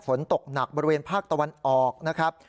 ฝนตกหนักบริเวณภาคตะวันออกนะครับ